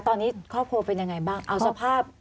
ตอนนี้ครอบครัวเป็นยังไงบ้างเอาสภาพ